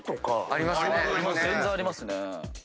ありますね。